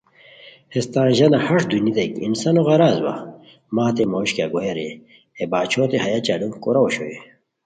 ہیس تان ژانہ ہݰ دونیتائے کی انسانو غرض وا مہ ہتے موش کیہ گویا رے ہے باچھوتے ہیہ چالو کوراؤ اوشوئے